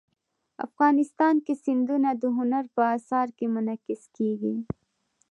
افغانستان کې سیندونه د هنر په اثار کې منعکس کېږي.